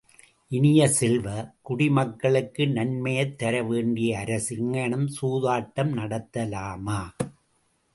இனிய செல்வ, குடிமக்களுக்கு நன்மையைத் தரவேண்டிய அரசு இங்ஙனம் சூதாட்டம் நடத்தலாமா?